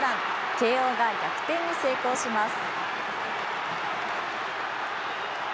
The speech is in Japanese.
慶応が逆転に成功します。